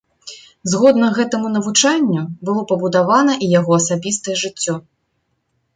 Згодна гэтаму навучанню было пабудавана і яго асабістае жыццё.